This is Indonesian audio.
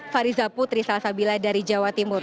fariza putri salsabila dari jawa timur